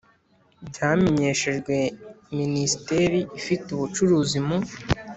byamenyeshejwe Minisiteri ifite ubucuruzi mu